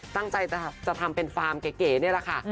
ตั้งใจจะทำเป็นฟาร์มเก๋นี่แหละค่ะ